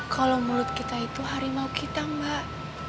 kalau mulut kita itu harimau kita mbak